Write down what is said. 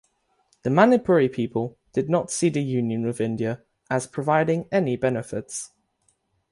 The Manipuri people did not see the union with India as providing any benefits.